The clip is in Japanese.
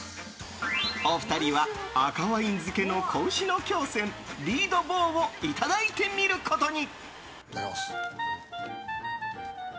お二人は赤ワイン漬けの子牛の胸腺リードボーをいただいてみることに。